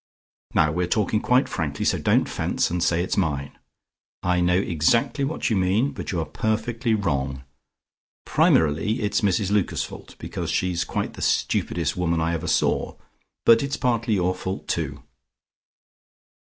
Now we're talking quite frankly, so don't fence, and say it's mine. I know exactly what you mean, but you are perfectly wrong. Primarily, it's Mrs Lucas's fault, because she's quite the stupidest woman I ever saw, but it's partly your fault too."